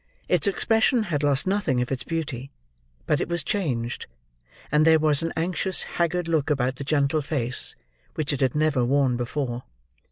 Its expression had lost nothing of its beauty; but it was changed; and there was an anxious haggard look about the gentle face, which it had never worn before.